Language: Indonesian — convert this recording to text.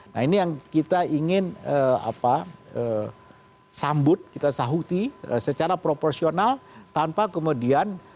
nah ini yang kita ingin sambut kita sahuti secara proporsional tanpa kemudian